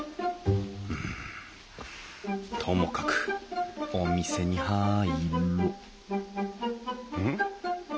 うんともかくお店に入ろうん？